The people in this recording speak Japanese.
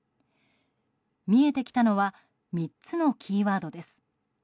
見えてきたのは３つのキーワードです。